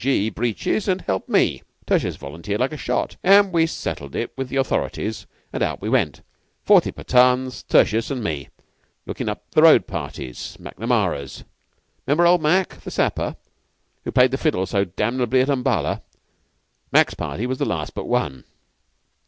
G. breeches and help me. Tertius volunteered like a shot, and we settled it with the authorities, and out we went forty Pathans, Tertius, and me, looking up the road parties. Macnamara's 'member old Mac, the Sapper, who played the fiddle so damnably at Umballa? Mac's party was the last but one.